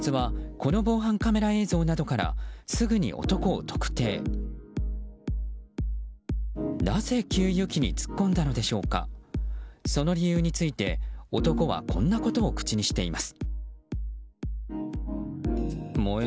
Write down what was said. この理由について男はこんなことを口にしています。